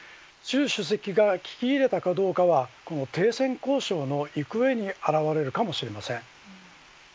習主席が聞き入れたかどうかは停戦交渉の行方に表れるかもしれません。